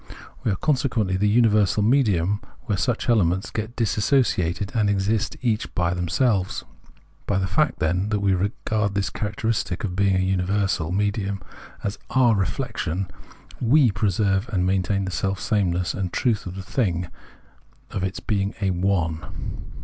We are, consequently, the imiversal medium where such elements get dis sociated, and exist each by itself. By the fact, then, that we regard the characteristic of being a universal VOL, I,— I 114 Phenomenology of Mind medium as our reflection, we preserve and maintain the self sameness and truth of the thing, its being a " one."